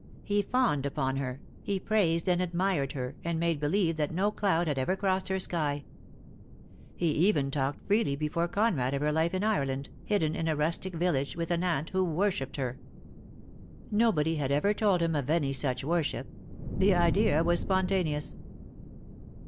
He fawned upon her, he praised and admired her, and made believe that no cloud had ever crossed her sky. He even talked freely be fore Conrad of her life in Ireland, hidden m a rustic village, with an aunt who worshipped her. 206 DEAD LOVE HAS CHAINS. Nobody had ever told him of any such worship. The idea was spontaneous.